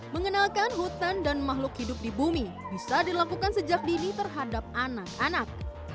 mengenalkan hutan dan makhluk hidup di bumi bisa dilakukan sejak dini terhadap anak anak